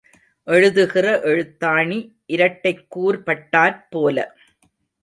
எழுதுகிற எழுத்தாணி இரட்டைக் கூர்பட்டாற் போல.